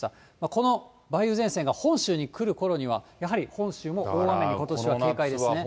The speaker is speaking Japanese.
この梅雨前線が本州に来るころには、やはり本州も、大雨にことしは警戒ですね。